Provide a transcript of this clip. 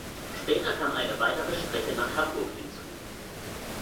Später kam eine weitere Strecke nach Hamburg hinzu.